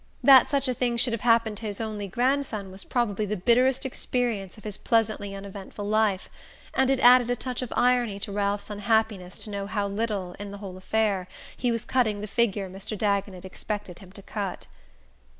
That such a thing should have happened to his only grandson was probably the bitterest experience of his pleasantly uneventful life; and it added a touch of irony to Ralph's unhappiness to know how little, in the whole affair, he was cutting the figure Mr. Dagonet expected him to cut.